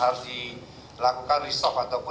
harus dilakukan resop ataupun